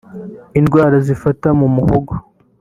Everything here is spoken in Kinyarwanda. indwara zifata mu muhogo